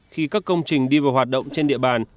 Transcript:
khi các công trình đi vào hoạt động trên địa bàn